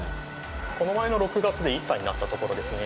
この前の６月で１歳になったところですね。